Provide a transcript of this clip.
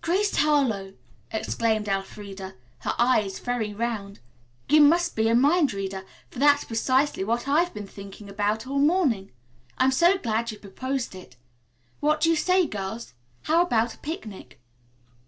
"Grace Harlowe!" exclaimed Elfreda, her eyes very round. "You must be a mind reader, for that's precisely what I've been thinking about all morning. I'm so glad you proposed it. What do you say, girls? How about a picnic?"